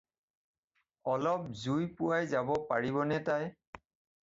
অলপ জুই পুৱাই যাব পাৰিবনে তাই।